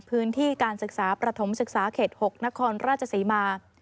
พื้นที่การศึกษาประถมศึกษาเขต๖นครราชศรีมา